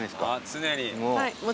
常に。